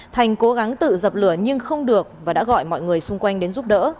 thành cố gắng tự dập lửa nhưng không được và đã gọi mọi người xung quanh đến giúp đỡ